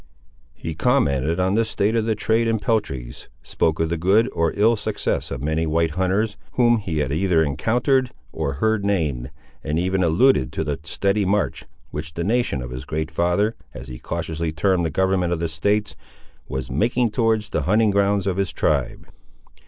He commented on the state of the trade in peltries, spoke of the good or ill success of many white hunters, whom he had either encountered, or heard named, and even alluded to the steady march, which the nation of his great father, as he cautiously termed the government of the States, was making towards the hunting grounds of his tribe.